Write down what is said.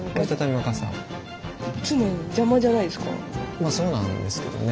まあそうなんですけどね。